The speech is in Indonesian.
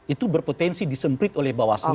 itu berpotensi disemprit oleh bawah aslu oke